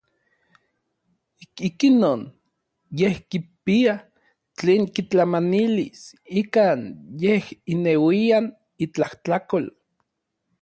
Ik inon yej kipia tlen kitlamanilis ikan yej ineuian itlajtlakol.